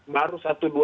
baru satu dua tiga